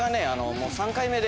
もう３回目で。